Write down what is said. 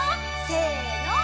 せの！